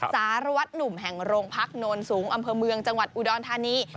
สารวัตรหนุ่มแห่งโรงพักโนนสูงอำเภอเมืองจังหวัดอุดรธานี